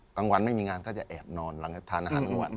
บางวันไม่มีงานก็จะแอบนอนทานอาหารทั้งวัน